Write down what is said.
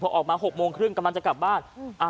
พอออกมา๖โมงครึ่งกำลังจะกลับบ้าน